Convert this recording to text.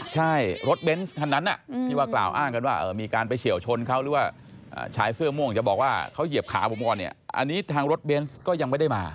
ใช่รถเบนส์คันนั้นที่ว่ากล่าวอ้างกันว่ามีการไปเฉียวชนเขาหรือว่าชายเสื้อม่วงจะบอกว่าเขาเหยียบขาผมก่อนเนี่ยอันนี้ทางรถเบนส์ก็ยังไม่ได้มา